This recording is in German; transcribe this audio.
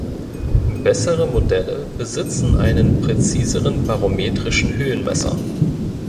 Bessere Modelle besitzen einen präziseren barometrischen Höhenmesser.